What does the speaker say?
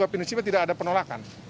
bahwa prinsipnya tidak ada penolakan